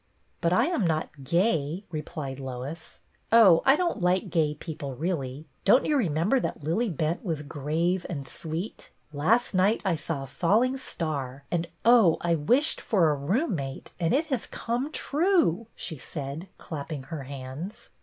" But I 'm not ' gay,' " I'eplied Lois. " Oh, I don't like gay people really. Don't you remember that Lillie Bent was 'grave and sweet '? Last night I saw a falling star and, oh, I wished for a roommate, and it has come true," she said, clapping her hands.